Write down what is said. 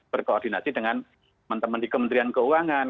berkoordinasi dengan teman teman di kementerian keuangan